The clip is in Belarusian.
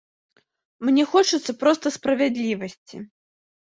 Мне хочацца проста справядлівасці.